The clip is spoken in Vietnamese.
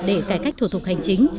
để cải cách thủ tục hành chính